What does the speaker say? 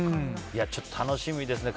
ちょっと楽しみですね。